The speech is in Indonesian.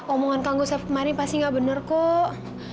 omongan kangguh sepemari pasti gak bener kok